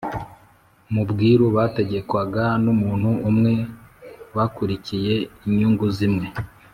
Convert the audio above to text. mu bwiru, bategekwaga n' umuntu umwe bakurikiye inyungu zimwe.